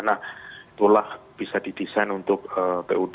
nah itulah bisa didesain untuk pud